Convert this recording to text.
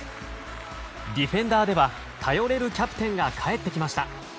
ディフェンダーでは頼れるキャプテンが帰ってきました。